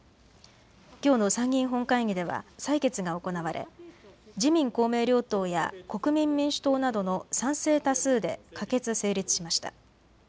きょうの参議院本会議では採決が行われ、自民公明両党や国民民主党などの賛成多数で可決・成立しました。